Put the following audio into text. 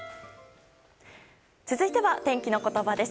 続いては、天気のことばです。